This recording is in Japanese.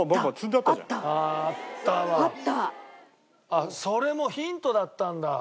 あっそれもヒントだったんだ。